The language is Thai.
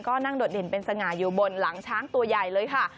ก็นั่งโดดเด่นเป็นสง่าอยู่บนหลังช้างตัวใหญ่เลยค่ะ